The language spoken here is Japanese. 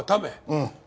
うん。